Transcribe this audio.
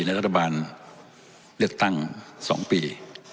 ในรัฐบาลเรียกตั้งสองปี